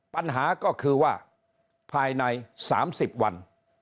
ปัญหาก็คือว่าภายใน๓๐วัน